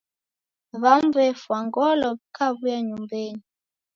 W'amu w'efwa ngolo w'ikaw'uya nyumbenyi.